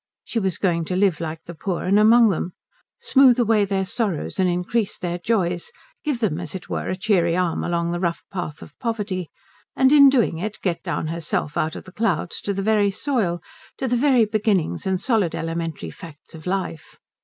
She was going to live like the poor and among them, smooth away their sorrows and increase their joys, give them, as it were, a cheery arm along the rough path of poverty, and in doing it get down herself out of the clouds to the very soil, to the very beginnings and solid elementary facts of life.